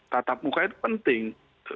tatap muka itu penting